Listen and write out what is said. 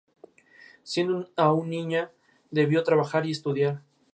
Fue enterrado junto a su esposa en el Cementerio Riverside National de Riverside, California.